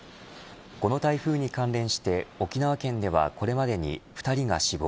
この台風に関連して沖縄県ではこれまでに２人が死亡。